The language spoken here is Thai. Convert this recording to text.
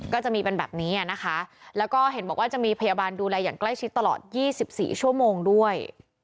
ก็จะมีเป็นแบบนี้นะคะแล้วก็เห็นบอกว่าจะมีพยาบาลดูแลอย่างใกล้ชิดตลอด๒๔ชั่วโมงด้วย